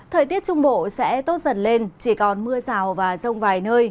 thời tiết trung bộ sẽ tốt dần lên chỉ còn mưa rào và rông vài nơi